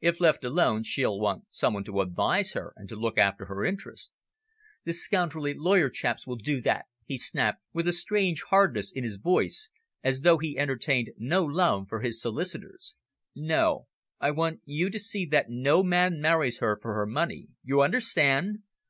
"If left alone she'll want some one to advise her and to look after her interests." "The scoundrelly lawyer chaps will do that," he snapped, with a strange hardness in his voice, as though he entertained no love for his solicitors. "No, I want you to see that no man marries her for her money you understand?